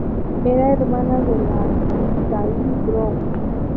Era hermana de la actriz Gail Brown.